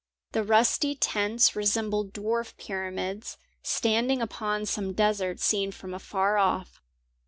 The rusty tents resembled dwarf pyramids standing upon some desert seen from afar off.